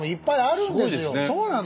そうなの！